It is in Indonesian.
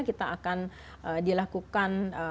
kita akan dilakukan